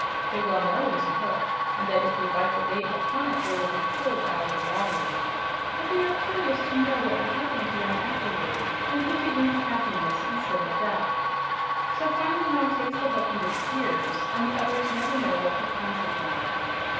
They all know it is a hook and that if they bite the bait upon it they will be pulled out of the water. But they are curious to know what will happen to them afterward, and think it means happiness instead of death. So finally one takes the hook and disappears, and the others never know what becomes of him."